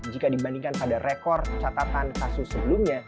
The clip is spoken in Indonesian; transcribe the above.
jika dibandingkan pada rekor catatan kasus sebelumnya